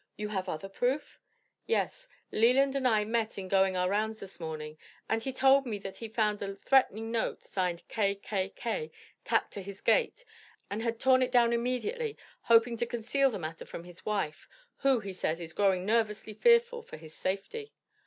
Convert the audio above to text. "You have other proof?" "Yes; Leland and I met in going our rounds this morning, and he told me he had found a threatening note, signed 'K.K.K,' tacked to his gate, and had torn it down immediately, hoping to conceal the matter from his wife, who, he says is growing nervously fearful for his safety."